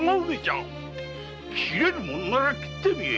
斬れるものなら斬ってみい！